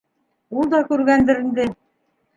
Ул да күргәндер инде.